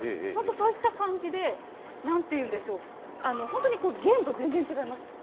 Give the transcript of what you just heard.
本当、そういった感じでなんていうんでしょう、本当にゲームと全然違います。